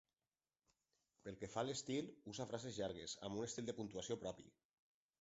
Pel que fa a l'estil, usa frases llargues, amb un estil de puntuació propi.